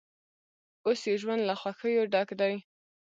اوس یې ژوند له خوښیو ډک دی.